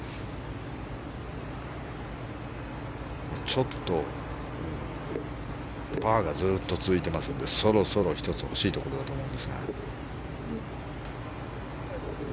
ちょっとパーがずっと続いていますのでそろそろ１つ欲しいところだと思いますが。